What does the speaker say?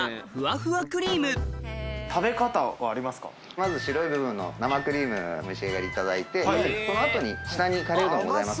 まず白い部分の生クリームお召し上がりいただいてその後に下にカレーうどんございますので。